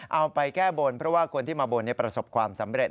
เอาไปแก้บนเพราะว่าคนที่มาบนประสบความสำเร็จ